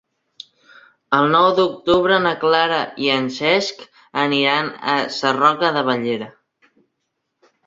El nou d'octubre na Clara i en Cesc aniran a Sarroca de Bellera.